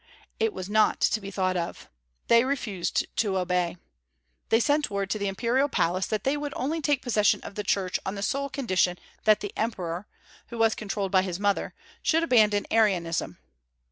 It was not to be thought of. They refused to obey. They sent word to the imperial palace that they would only take possession of the church on the sole condition that the emperor (who was controlled by his mother) should abandon Arianism.